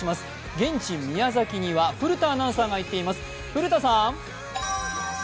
現地宮崎には古田アナウンサーが行っています。